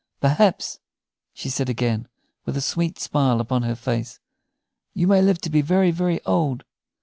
"Perhaps," she said again, with a sweet smile upon her face, "you may live to be very, very old."